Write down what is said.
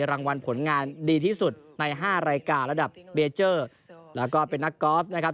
รางวัลผลงานดีที่สุดในห้ารายการระดับเบเจอร์แล้วก็เป็นนักกอล์ฟนะครับ